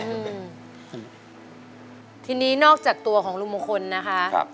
อืมทีนี้นอกจากตัวของลุงมงคลนะคะครับ